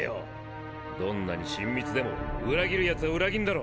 どんなに親密でも裏切る奴は裏切んだろ。